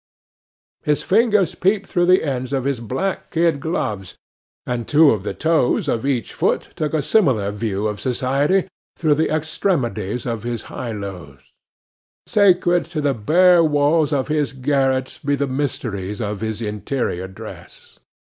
His fingers peeped through the ends of his black kid gloves, and two of the toes of each foot took a similar view of society through the extremities of his high lows. Sacred to the bare walls of his garret be the mysteries of his interior dress!